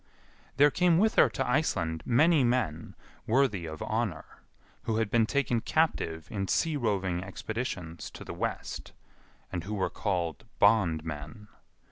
There came with her to Iceland many men worthy of honour, who had been taken captive in sea roving expeditions to the west, and who were called bondmen.